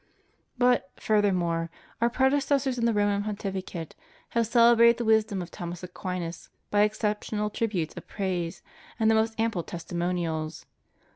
But, furthermore. Our predecessors in the Roman pontificate have celebrated the wisdom of Thomas Aquinas by exceptional tributes of praise and the most ample testimonials.